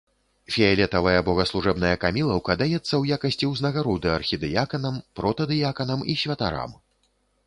Фіялетавая богаслужэбная камілаўка даецца ў якасці ўзнагароды архідыяканам, протадыяканам і святарам.